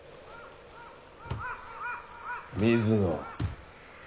水野。